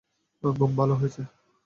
ঘুম ভালো হয়েছে?